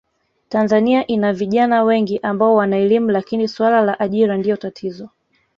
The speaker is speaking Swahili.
Tanzania ina vijana wengi ambao wanaelimu lakini Suala la ajira Ndio tatizo